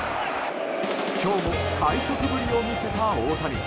今日も快足ぶりを見せた大谷。